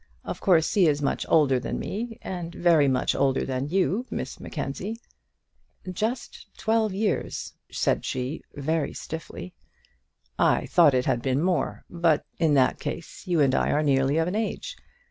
Of course he is much older than me, and very much older than you, Miss Mackenzie." "Just twelve years," said she, very stiffly. "I thought it had been more, but in that case you and I are nearly of an age.